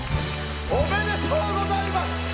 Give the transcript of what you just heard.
おめでとうございます！